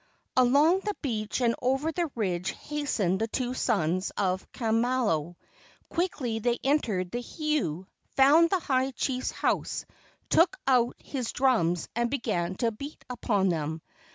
Along the beach and over the ridge has¬ tened the two sons of Kamalo. Quickly they entered the heiau, found the high chief's house, took out his drums and began to beat upon them.